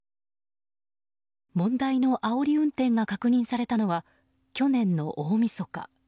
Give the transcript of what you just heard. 問題のあおり運転が確認されたのは去年の大みそか。